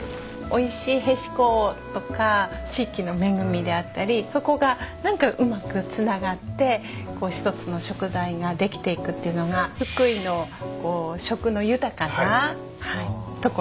おいしいへしことか地域の恵みであったりそこが何かうまくつながって一つの食材ができていくっていうのが福井の食の豊かなところで。